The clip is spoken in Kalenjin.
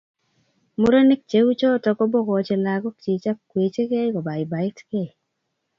Murenik cheuchuto kobokochi lagokchi ak kwechikei kobaibaitkei